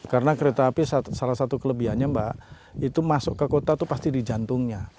karena kereta api salah satu kelebihannya mbak itu masuk ke kota itu pasti di jantungnya